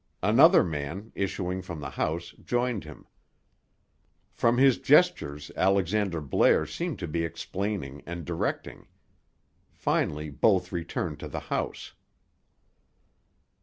Another man, issuing from the house, joined him. From his gestures Alexander Blair seemed to be explaining and directing. Finally both returned to the house.